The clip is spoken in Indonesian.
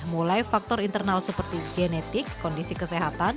mulai faktor internal seperti genetik kondisi kesehatan